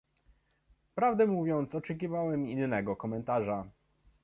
Prawdę mówiąc, oczekiwałem innego komentarza